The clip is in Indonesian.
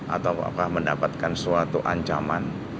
atau apakah mendapatkan suatu ancaman